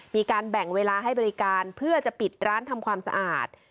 มีการแบ่งเวลาให้บริการเพื่อจะปิดร้านทำความสะอาด